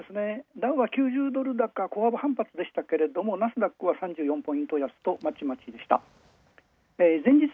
ダウは９０ドル高小幅反発でしたが、ナスダックは３４ポイント安とまちまちでした。